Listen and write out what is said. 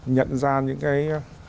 nhận ra những cái